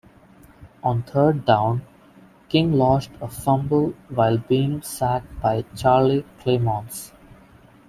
On third down, King lost a fumble while being sacked by Charlie Clemons.